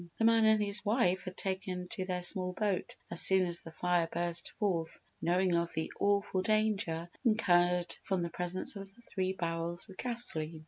The man and his wife had taken to their small boat as soon as the fire burst forth, knowing of the awful danger incurred from the presence of the three barrels of gasoline.